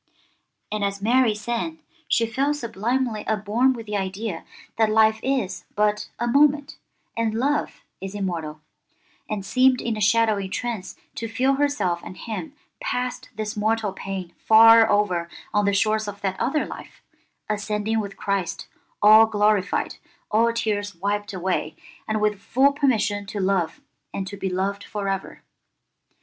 And as Mary sang she felt sublimely upborn with the idea that life is but a moment and love is immortal, and seemed in a shadowy trance to feel herself and him past this mortal pain far over on the shores of that other life, ascending with Christ all glorified, all tears wiped away, and with full permission to love and to be loved for ever.